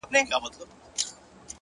د حقیقت منل ځواک دی!